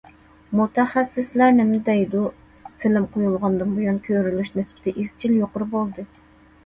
مۇتەخەسسىسلەر نېمە دەيدۇ؟ فىلىم قويۇلغاندىن بۇيان كۆرۈلۈش نىسبىتى ئىزچىل يۇقىرى بولدى.